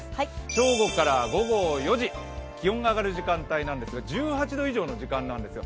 正午から午後４時、気温の上がる時間帯なんですが、１８度以上の時間なんですよ。